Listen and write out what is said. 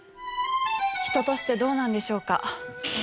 人としてどうなんでしょうか？